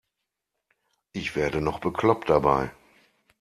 Ich werde noch bekloppt dabei.